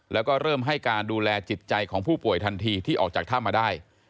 แล้วก็เริ่มให้การดูแลจิตใจของผู้ป่วยทันทีที่ออกจากถ้ำมาได้